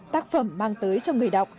tác phẩm mang tới cho người đọc